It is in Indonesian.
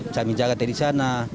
kami jaga dari sana